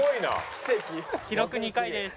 記録２回です。